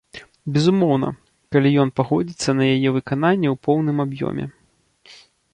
Безумоўна, калі ён пагодзіцца на яе выкананне ў поўным аб'ёме.